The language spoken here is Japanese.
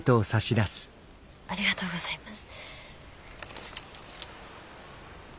ありがとうございます。